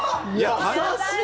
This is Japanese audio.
優しい！